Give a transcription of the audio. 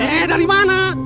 eh dari mana